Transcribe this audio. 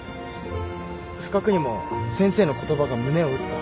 不覚にも先生の言葉が胸を打った。